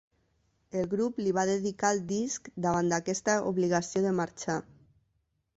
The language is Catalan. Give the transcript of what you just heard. El grup li va dedicar el disc, davant aquesta obligació de marxar.